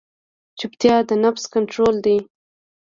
چپتیا، د نفس کنټرول دی.